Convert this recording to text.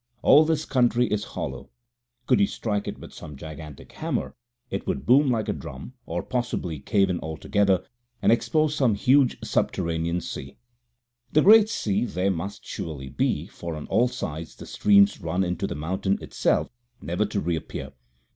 All this country is hollow. Could you strike it with some gigantic hammer it would boom like a drum, or possibly cave in altogether and expose some huge subterranean sea. A great sea there must surely be, for on all sides the streams run into the mountain itself, never to reappear.